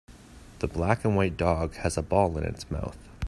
The black and white dog has a ball in its mouth.